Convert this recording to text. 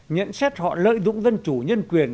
nhận xét họ lợi dụng dân chủ nhân quyền